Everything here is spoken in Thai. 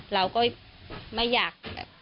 เราก็ไม่อยากแบบ